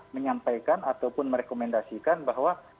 menyampaikan ataupun merekomendasikan bahwa